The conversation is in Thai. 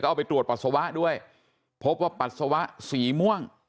เอาไปตรวจปัสสาวะด้วยพบว่าปัสสาวะสีม่วง